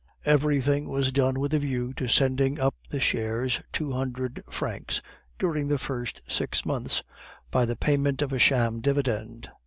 Everything was done with a view to sending up the shares two hundred francs during the first six months by the payment of a sham dividend.